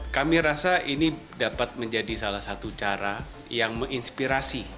kami rasa ini dapat menjadi salah satu cara yang menginspirasi